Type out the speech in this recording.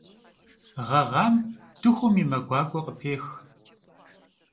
Ğeğam, dıxum me guak'ue khıpêx.